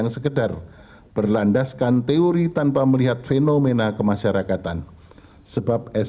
cesarean pemangku ogor yang rohani peron menyebabkan schumacher